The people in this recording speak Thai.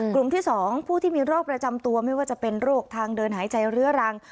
กลุ่มที่๒ผู้ที่มีโรคประจำตัวไม่ว่าจะเป็นโรคทางเดินหายใจเรื้อรัง